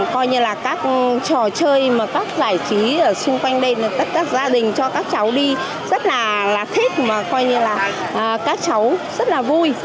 các trò chơi các giải trí xung quanh đây tất cả gia đình cho các cháu đi rất là thích các cháu rất là vui